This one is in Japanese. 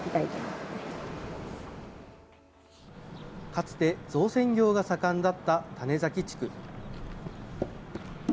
かつて、造船業が盛んだった種崎地区。